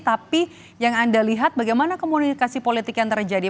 tapi yang anda lihat bagaimana komunikasi politik yang terjadi